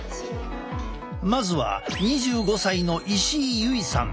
まずは２５歳の石井優衣さん。